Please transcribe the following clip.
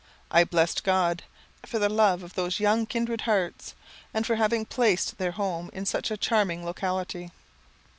I blessed God, for the love of those young kindred hearts, and for having placed their home in such a charming locality.